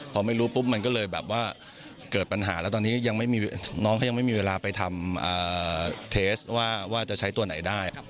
พอไม่รู้ปุ๊บมันก็เลยแบบว่าเกิดปัญหาแล้วตอนนี้ยังไม่มีน้องเขายังไม่มีเวลาไปทำเทสว่าจะใช้ตัวไหนได้